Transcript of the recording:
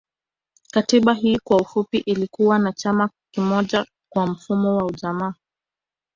Katiba Hii kwa ufupi ilikuwa ya chama kimoja kwa mfumo wa ujamaa